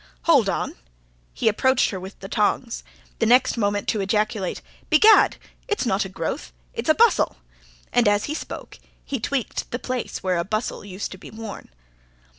"Hold on!" He approached her with the tongs; the next moment to ejaculate: "Begad, it's not a growth, it's a bustle!" and as he spoke he tweaked the place where a bustle used to be worn.